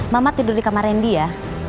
mama tidur di kamar rendy ya